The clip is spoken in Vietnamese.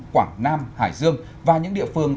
quảng nam hải dương và những địa phương